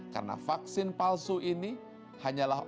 karena vaksin palsu ini hanyalah obat